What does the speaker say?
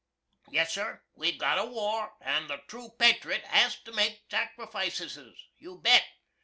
Yes, Sir, we've got a war, and the troo Patrit has to make sacrifisses, you bet.